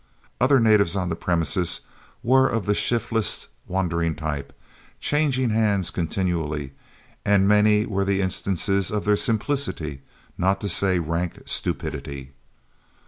Other natives on the premises were of the shiftless, wandering type, changing hands continually, and many were the instances of their simplicity, not to say rank stupidity.